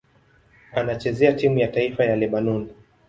Anachezea timu ya taifa ya Lebanoni.